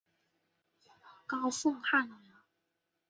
高凤翰人。